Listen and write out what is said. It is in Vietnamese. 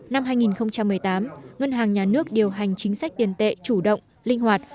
năm hai nghìn một mươi tám ngân hàng nhà nước điều hành chính sách tiền tệ chủ động linh hoạt